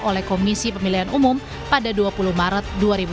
oleh komisi pemilihan umum pada dua puluh maret dua ribu dua puluh